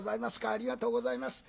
ありがとうございます。